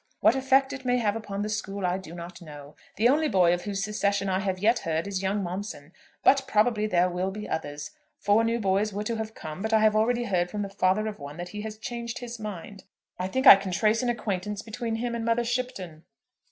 What effect it may have upon the school I do not know. The only boy of whose secession I have yet heard is young Momson. But probably there will be others. Four new boys were to have come, but I have already heard from the father of one that he has changed his mind. I think I can trace an acquaintance between him and Mother Shipton.